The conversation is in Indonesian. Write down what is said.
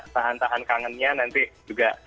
tahan tahan kangennya nanti juga